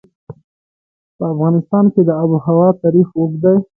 په افغانستان کې د آب وهوا تاریخ اوږد دی.